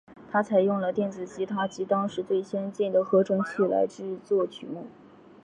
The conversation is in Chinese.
它采用了电子吉他及当时最先进的合成器来制作曲目。